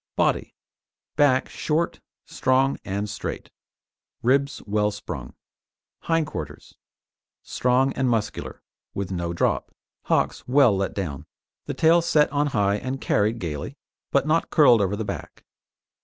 BODY Back short, strong and straight; ribs well sprung. HIND QUARTERS Strong and muscular, with no drop; hocks well let down; the tail set on high and carried gaily, but not curled over the back.